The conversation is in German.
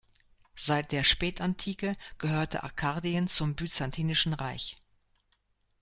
Seit der Spätantike gehörte Arkadien zum Byzantinischen Reich.